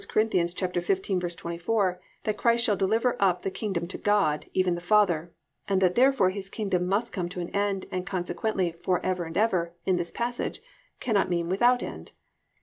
15:24 that Christ "shall deliver up the kingdom to God, even the Father"; and that therefore His kingdom must come to an end, and consequently "for ever and ever" in this passage cannot mean without end.